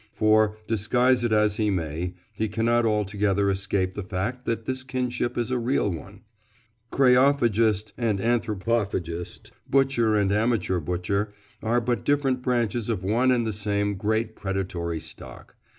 For, disguise it as he may, he cannot altogether escape the fact that this kinship is a real one. Kreophagist and anthropophagist, butcher and amateur butcher, are but different branches of one and the same great predatory stock.